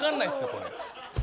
これ。